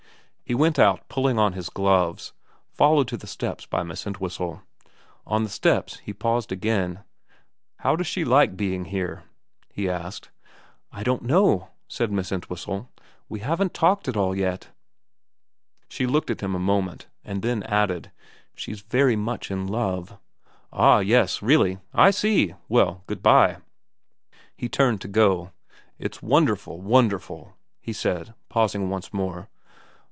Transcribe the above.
He went out pulling on his gloves, followed to the steps by Miss Entwhistle. On the steps he paused again. * How does she like being here ?' he asked. ' I don't know,' said Miss Entwhistle. ' We haven't talked at all yet.' She looked at him a moment, and then added, ' She's very much in love.' ' Ah. Yes. Really. I see. Well, good bye.' He turned to go. ' It's wonderful, wonderful,' he said, pausing once more.